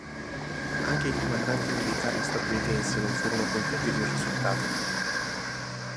Anche i comandanti militari statunitensi non furono contenti del risultato.